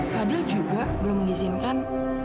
fadil juga belum mengizinkan